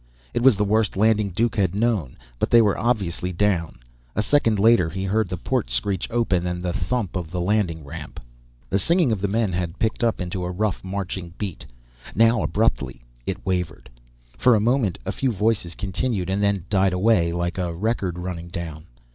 It was the worst landing Duke had known, but they were obviously down. A second later he heard the port screech open and the thump of the landing ramp. The singing of the men had picked up into a rough marching beat. Now abruptly it wavered. For a moment, a few voices continued, and then died away, like a record running down.